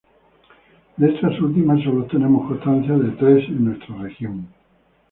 De estas últimas solo tenemos constancia de tres en nuestra región.